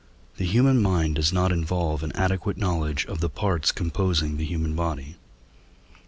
The human mind does not involve an adequate knowledge of the parts composing the human body.